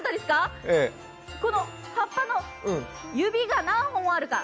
葉っぱの指が何本あるか。